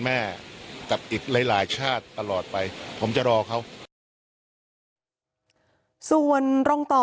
แม่กับอีกหลายชาติตลอดไปผมจะรอเขาส่วนรองต่อ